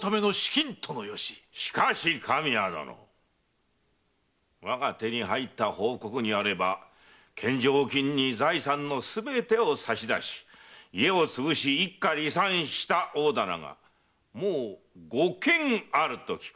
しかし神谷殿我が手に入った報告によれば献上金に財産のすべてを差し出し家をつぶし一家離散した大店がもう五軒あると聞く。